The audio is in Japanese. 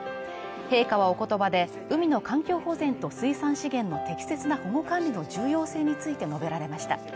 陛下はおことばで、産みの環境保全と水産資源の適切な保護管理の重要性について述べられました。